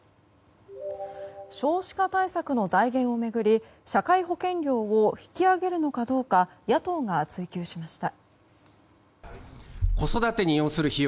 少子化対策の財源を巡り社会保険料を引き上げるのかどうか野党が追及しました。